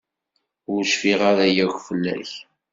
Ur cfiɣ ara yakk fell-ak.